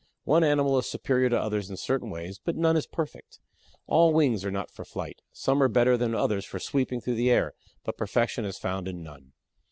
One animal is superior to others in certain ways, but none is perfect. All wings are not for flight. Some are better than others for sweeping through the air, but perfection is found in none.